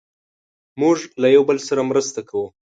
موږ له یو بل سره مرسته کوو.